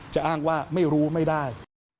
จะอ้างว่าไม่รู้ไม่ได้